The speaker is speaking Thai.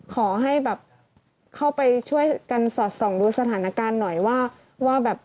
ขอให้แบบเข้าไปช่วยกันสอดส่องดูสถานการณ์หน่อยว่าแบบ